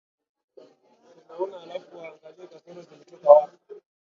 unaona halafu waangalie kasoro zimetoka wapi